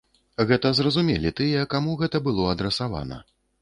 Гэта зразумелі тыя, каму гэта было адрасавана.